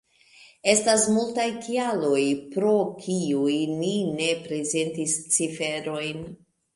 Estas multaj kialoj, pro kiuj ni ne prezentis ciferojn.